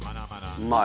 うまい！